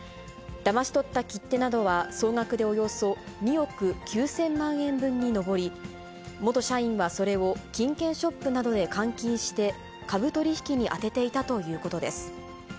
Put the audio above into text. だまし取った切手などは総額でおよそ２億９０００万円分に上り、元社員はそれを金券ショップなどで換金して、株取り引きに充てていたということです。